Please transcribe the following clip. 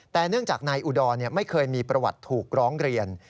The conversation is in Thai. แต่เนื่องจากนายอุดรไม่เคยมีประวัติถูกร้องเรียน